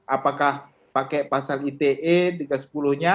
apakah pakai pasal ite tiga ratus sepuluh nya